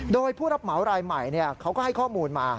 โดยผู้รับเหมารายใหม่เขาก็ให้ข้อมูลมา